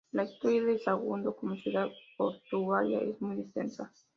La historia de Sagunto como ciudad portuaria es muy extensa.